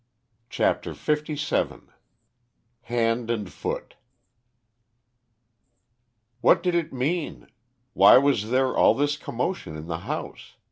CHAPTER LVII HAND AND FOOT What did it mean? Why was there all this commotion in the house?